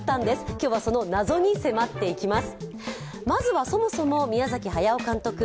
今日はその謎に迫っていきます。